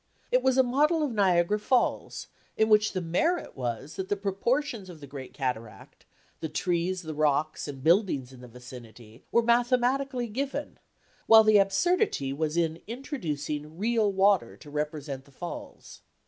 It was a model of Niagara Falls, in which the merit was that the proportions of the great cataract, the trees, rocks, and buildings in the vicinity were mathematically given, while the absurdity was in introducing "real water" to represent the falls.